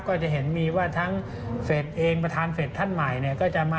ก็จะเห็นมีว่าทั้งเฟศเองประธานเฟศท่านใหม่